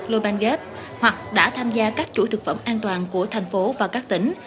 lô ban ghép hoặc đã tham gia các chủ thực phẩm an toàn của thành phố và các tỉnh